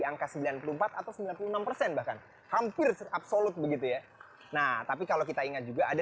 angka sembilan puluh empat atau sembilan puluh enam persen bahkan hampir absolut begitu ya nah tapi kalau kita ingat juga ada